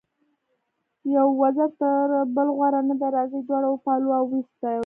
یو وزر تر بل غوره نه دی، راځئ دواړه وپالو او ویې ساتو.